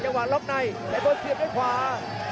จังหวัดล๊อคไนด์จังหวัดเสียบด้วยขวา